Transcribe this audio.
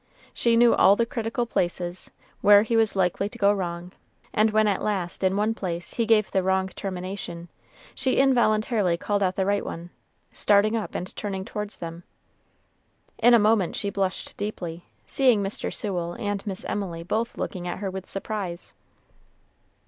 She knew all the critical places, where he was likely to go wrong; and when at last, in one place, he gave the wrong termination, she involuntarily called out the right one, starting up and turning towards them. In a moment she blushed deeply, seeing Mr. Sewell and Miss Emily both looking at her with surprise.